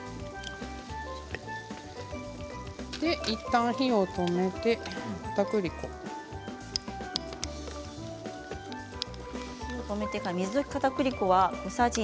いったん火を止めてかたくり粉です。